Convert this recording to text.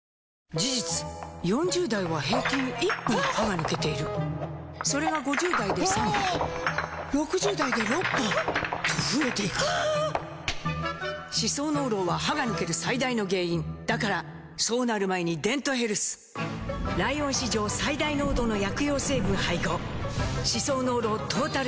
事実４０代は平均１本歯が抜けているそれが５０代で３本６０代で６本と増えていく歯槽膿漏は歯が抜ける最大の原因だからそうなる前に「デントヘルス」ライオン史上最大濃度の薬用成分配合歯槽膿漏トータルケア！